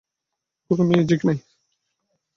কোন মিউজিক নেই।